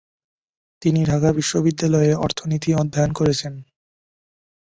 তিনি ঢাকা বিশ্ববিদ্যালয়ে অর্থনীতি অধ্যয়ন করেছেন।